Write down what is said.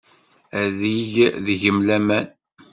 Ad yeg deg-m laman.